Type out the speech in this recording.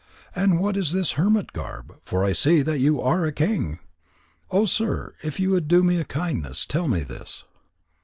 And what is this hermit garb? For I see that you are a king. Oh, sir, if you would do me a kindness, tell me this."